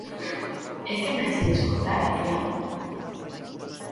E que máis ides contar, Adrián?